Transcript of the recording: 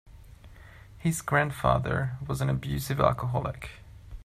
His grandfather was an abusive alcoholic.